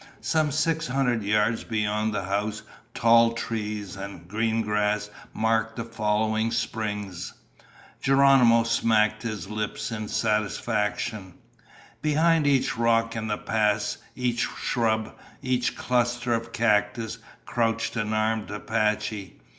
Some six hundred yards beyond the house, tall trees and green grass marked the flowing springs. Geronimo smacked his lips in satisfaction. Behind each rock in the pass, each shrub, each cluster of cactus, crouched an armed Apache.